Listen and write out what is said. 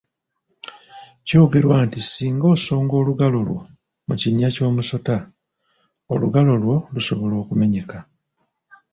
Kyogerwa nti singa osonga olugalo lwo mu kinnya ky’omusota, olugalo lwo lusobola okumenyeka.